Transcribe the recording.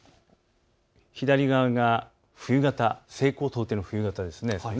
左側は冬型、西高東低の冬型です。